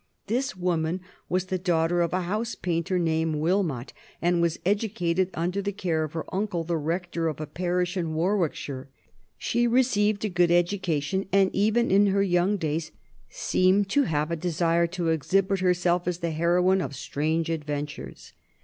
This woman was the daughter of a house painter named Wilmot, and was educated under the care of her uncle, the Rector of a parish in Warwickshire. She received a good education, and even in her young days seemed to have a desire to exhibit herself as the heroine of strange adventures.